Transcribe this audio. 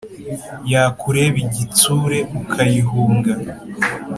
Yakureba igitsure ukayihunga